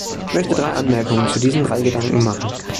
Ich möchte drei Anmerkungen zu diesen drei Gedanken machen.